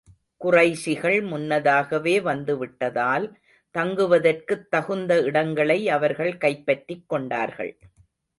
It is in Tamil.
குறைஷிகள் முன்னதாகவே வந்து விட்டதால், தங்குவதற்குத் தகுந்த இடங்களை அவர்கள் கைப்பற்றிக் கொண்டார்கள்.